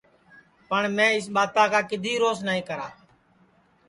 پٹؔ میں اِس ٻاتا کا کِدؔی روس نائی کرا